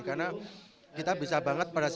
karena kita bisa banget pada saatnya